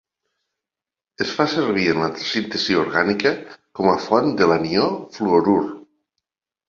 Es fa servir en la síntesi orgànica com a font de l'anió fluorur.